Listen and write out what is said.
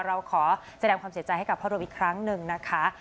เราขอแสดงความเสียใจให้กับพ่อรมอีกครั้งหนึ่งนะคะ